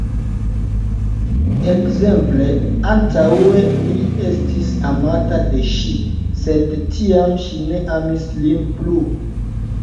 Ekz: Antaŭe li estis amata de ŝi, sed tiam ŝi ne amis lin plu.